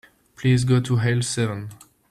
Please go to aisle seven.